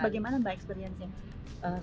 bagaimana mbak experience nya